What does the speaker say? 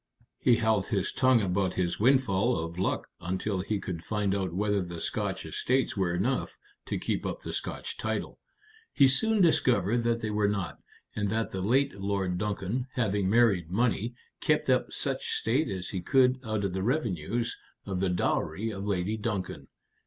He held his tongue about his windfall of luck until he could find out whether the Scotch estates were enough to keep up the Scotch title. He soon discovered that they were not, and that the late Lord Duncan, having married money, kept up such state as he could out of the revenues of the dowry of Lady Duncan.